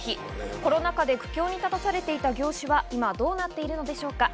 コロナ禍で苦境に立たされていた業種は今どうなっているのでしょうか？